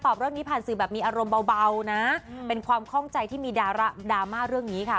เป็นความเบานะเป็นความข้องใจที่มีดราม่าเรื่องนี้ค่ะ